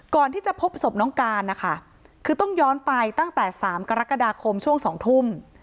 ก่อนที่จะพบศพน้องการนะคะคือต้องย้อนไปตั้งแต่๓กรกฎาคมช่วง๒ทุ่ม